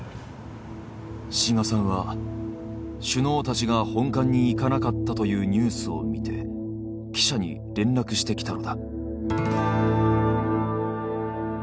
志賀さんは首脳たちが本館に行かなかったというニュースを見て記者に連絡してきたのだ。